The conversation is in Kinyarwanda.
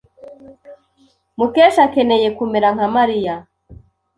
Mukesha akeneye kumera nka Mariya.